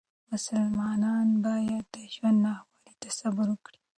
مسلمانان باید د ژوند ناخوالو ته صبر وکړي.